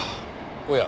おや？